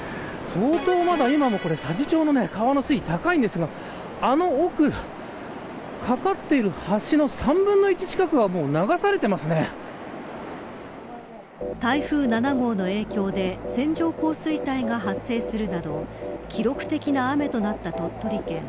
相当、今も佐治町の川の水位、高いんですがあの奥、かかっている橋の３分の１近くが台風７号の影響で線状降水帯が発生するなど記録的な雨となった鳥取県。